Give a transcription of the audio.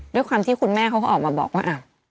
ด้วยความที่คุณแม่เขาก็ออกมาบอกว่า